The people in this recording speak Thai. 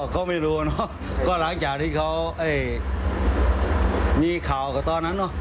ก็ไม่รู้นะหลังจากที่เขามีข่าวกับตอนนั้น